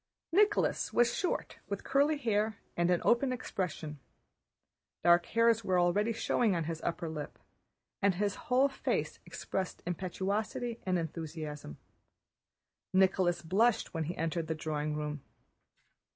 Nicholas was short with curly hair and an open expression. Dark hairs were already showing on his upper lip, and his whole face expressed impetuosity and enthusiasm. Nicholas blushed when he entered the drawing room.